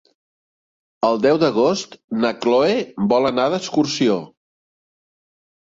El deu d'agost na Cloè vol anar d'excursió.